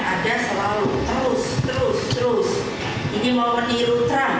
dan kita akan kembali menampilkan cuitan pak susilo bambang yudhoyono